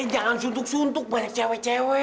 jangan suntuk suntuk banyak cewek cewek